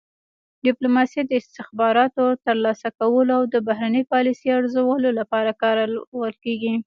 ډیپلوماسي د استخباراتو ترلاسه کولو او د بهرنۍ پالیسۍ ارزولو لپاره کارول کیږي